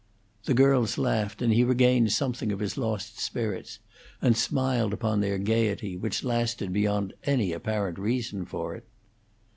The girls laughed, and he regained something of his lost spirits, and smiled upon their gayety, which lasted beyond any apparent reason for it.